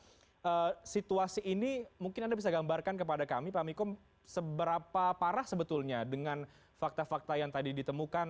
jadi situasi ini mungkin anda bisa gambarkan kepada kami pak miko seberapa parah sebetulnya dengan fakta fakta yang tadi ditemukan